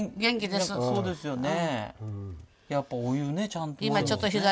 そうですよね。